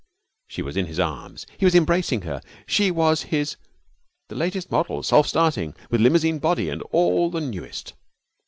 She was in his arms. He was embracing her. She was his the latest model, self starting, with limousine body and all the newest.